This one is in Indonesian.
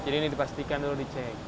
jadi ini dipastikan dulu dicek